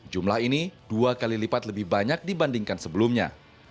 jumlah ini dua kali lipat lebih banyak dibandingkan sebelumnya